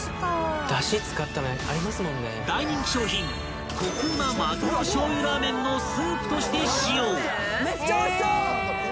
［大人気商品コク旨まぐろ醤油ラーメンのスープとして使用］